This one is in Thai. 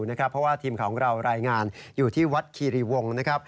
เพราะว่าทีมของเรารายงานอยู่ที่วัดคิริวงค์